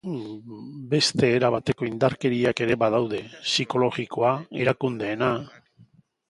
Beste era bateko indarkeriak ere badaude: psikologikoa, erakundeena...